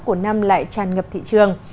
của năm lại tràn ngập thị trường